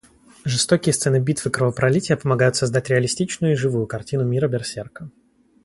Жестокие сцены битв и кровопролитие помогают создать реалистичную и живую картину мира Берсерка.